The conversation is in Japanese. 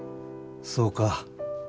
そうか。